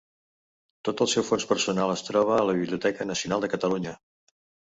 Tot el seu fons personal es troba a la Biblioteca Nacional de Catalunya.